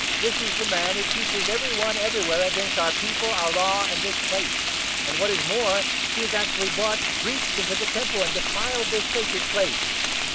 This is the man who teaches every one everywhere against our People, our Law, and this Place ; and, what is more, he has actually brought Greeks into the Temple and defiled this sacred place."